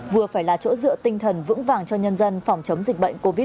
vừa phải là chỗ dựa tinh thần vững vàng cho nhân dân phòng chống dịch bệnh covid một mươi chín